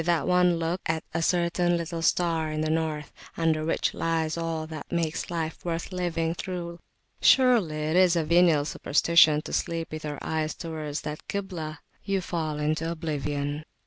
And with one look at a certain little Star in the north, under which lies all that makes life worth living through surely it is a venial superstition to sleep with your eyes towards that Kiblah! you fall into oblivion.